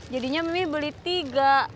jadinya mimih beli tiga